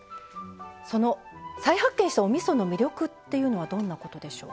その再発見したおみその魅力っていうのはどんなことでしょう？